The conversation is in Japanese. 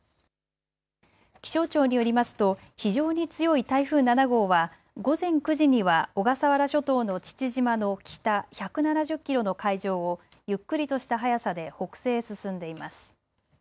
気象庁によりますと非常に強い台風７号は午前９時には小笠原諸島の父島の北１７０キロの海上をゆっくりとした速さで北西へ進んでいます。